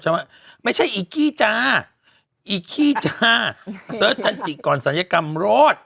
ว่าไม่ใช่อีกี้จ้าอีขี้จ้าเสิร์ชทันจิก่อนศัลยกรรมรอด